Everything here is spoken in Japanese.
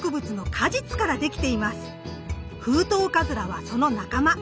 フウトウカズラはその仲間。